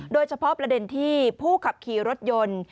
โดยเฉพาะประเด็นที่ผู้ขับขี่รถยนต์